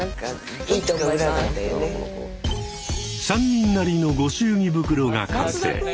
３人なりの御祝儀袋が完成。